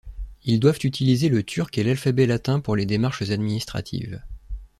Ils doivent utiliser le turc et l'alphabet latin pour les démarches administratives.